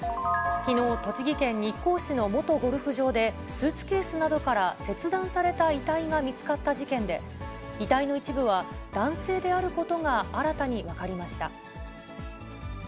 きのう、栃木県日光市の元ゴルフ場で、スーツケースなどから切断された遺体が見つかった事件で、遺体の一部は、男性であることが新たに分かりました。